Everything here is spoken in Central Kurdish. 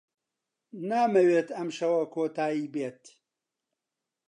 نامەوێت ئەم شەوە کۆتایی بێت.